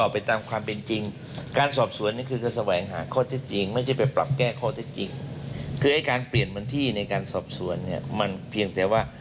ฟังเสียงอาจารย์ดูค่ะ